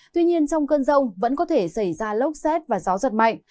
tuy nhiên trong cơn rông vẫn có thể xảy ra lốc xét và gió giật mạnh